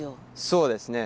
そうですね。